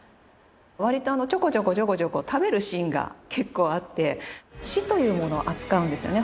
わりとちょこちょこちょこちょこ食べるシーンが結構あって死というものを扱うんですよね